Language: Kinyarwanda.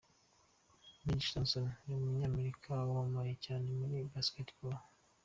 Magic Johnson: Ni umunyamerika wamamaye cyane muri Basketball.